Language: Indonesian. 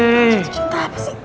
jatuh cinta apa sih